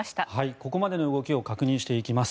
ここまでの動きを確認していきます。